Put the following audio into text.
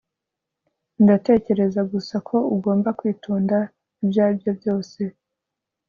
ndatekereza gusa ko ugomba kwitonda, ibyo aribyo byose